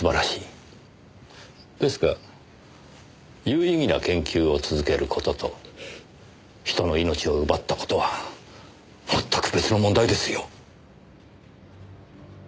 ですが有意義な研究を続ける事と人の命を奪った事はまったく別の問題ですよ。